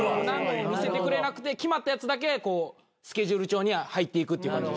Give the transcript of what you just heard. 何も見せてくれなくて決まったやつだけスケジュール帳には入っていくっていう。